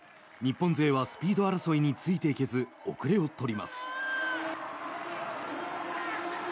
日本勢はスピード争いについていけず後れを取ります。